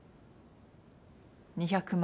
２００万円。